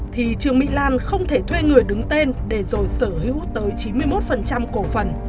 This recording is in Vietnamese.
thì trương mỹ lan không thể thuê người đứng tên để rồi sở hữu tới chín mươi một cổ phần